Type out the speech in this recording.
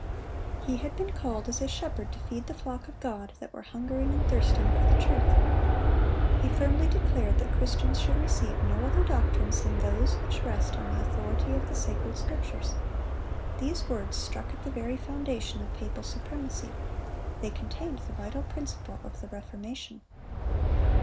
He had been called as a shepherd to feed the flock of God, that were hungering and thirsting for the truth. He firmly declared that Christians should receive no other doctrines than those which rest on the authority of the Sacred Scriptures. These words struck at the very foundation of papal supremacy. They contained the vital principle of the Reformation.